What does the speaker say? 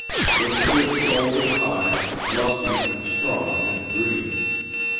It stood shoulder high, lusty and strong and green.